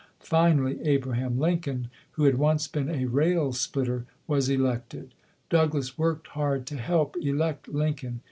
Finally, Abraham Lincoln, who had once been a rail splitter, was elected. Douglass worked hard to help elect Lincoln.